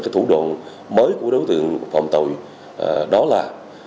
thủ đoạn mới của đối tượng phạm tội đó là